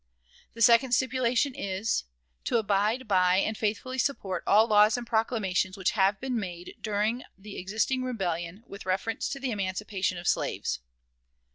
The second stipulation is: "To abide by and faithfully support all laws and proclamations which have been made during the existing rebellion with reference to the emancipation of slaves."